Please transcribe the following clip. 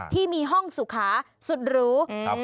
ที่มีห้องสุขาสุดหรู